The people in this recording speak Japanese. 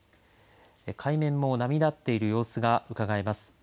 海面も波立っている様子がうかがえます。